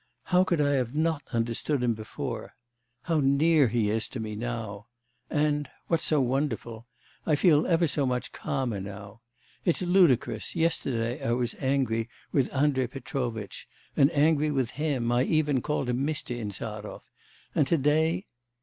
How could I have not understood him before? How near he is to me now! And what's so wonderful I feel ever so much calmer now. It's ludicrous; yesterday I was angry with Andrei Petrovitch, and angry with him, I even called him Mr. Insarov, and to day...